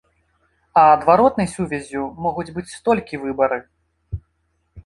А адваротнай сувяззю могуць быць толькі выбары!